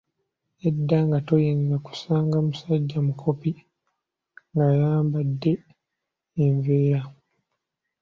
Edda nga toyinza kusanga musajja mukopi ng‘ayambadde enveera.